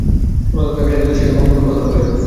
পলাতক থাকায় এঁরা দোষী—এ রকম কোনো ধারণা করাও ঠিক হবে না।